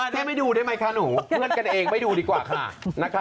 นี่ไม่ดูได้ไหมคะหนูเพื่อนกันเองไม่ดูดีกว่าค่ะ